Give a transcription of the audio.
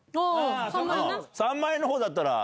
３万円の方だったら。